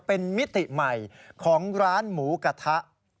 เป็นมิติใหม่ของร้านหมูกระทะ